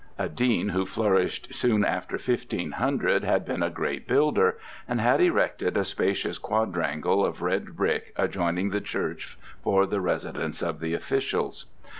A dean who flourished soon after 1500 had been a great builder, and had erected a spacious quadrangle of red brick adjoining the church for the residence of the officials.